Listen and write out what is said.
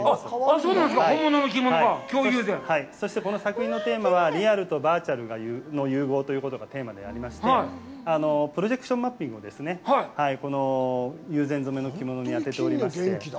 この作品のテーマは、リアルとバーチャルの融合ということがテーマでありまして、プロジェクションマッピングをこの友禅染の着物に当てておりまして。